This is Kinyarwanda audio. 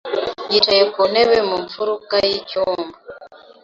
yicaye ku ntebe mu mfuruka y'icyumba.